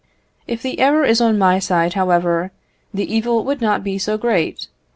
If the error is on my side, however, the evil would not be so great.